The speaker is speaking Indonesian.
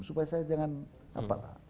supaya saya jangan apa lah